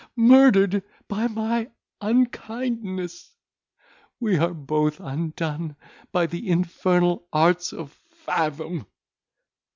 murdered by my unkindness! We are both undone by the infernal arts of Fathom!